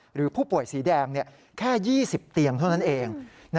หรือผู้ป่วยสีแดงแค่๒๐เตียงเท่านั้นเอง